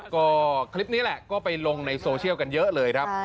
ก็คลิปนี้แหละก็ไปลงในโซเชียลกันเยอะเลยครับ